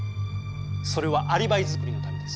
それはアリバイ作りのためです。